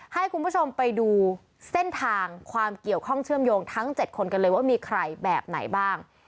ให้คุณผู้ชมไปดูเส้นทางความเกี่ยวข้องเชื่อมโยงทั้ง๗คนกันเลยว่ามีใครแบบไหนบ้าง